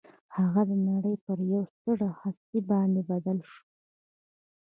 هغه د نړۍ پر یوه ستره هستي باندې بدل شو